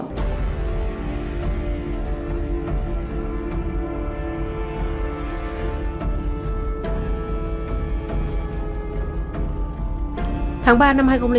tháng ba năm hai nghìn hai